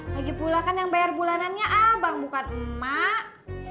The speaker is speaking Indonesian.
lagi pula kan yang bayar bulanannya abang bukan emak